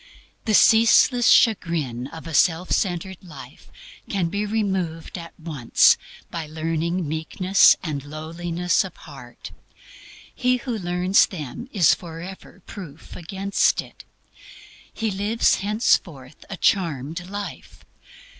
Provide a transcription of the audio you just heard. The ceaseless chagrin of a self centered life can be removed at once by learning meekness and lowliness of heart. He who learns them is forever proof against it. He lives henceforth a charmed life.